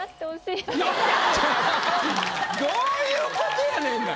どういうことやねんな。